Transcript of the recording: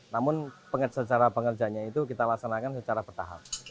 namun secara pengerjaannya itu kita laksanakan secara bertahap